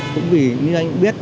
cũng vì như anh cũng biết